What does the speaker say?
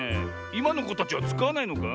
いまのこたちはつかわないのか？